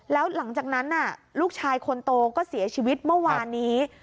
แล้วหลังจากนั้นลูกชายคนโตก็เสียชีวิตเมื่อวานนี้